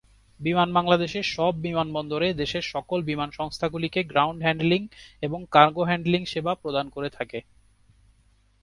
বিমান বাংলাদেশের সব বিমানবন্দরে দেশের সকল বিমান সংস্থাগুলিকে গ্রাউন্ড হ্যান্ডলিং এবং কার্গো হ্যান্ডলিং সেবা প্রদান করে থাকে।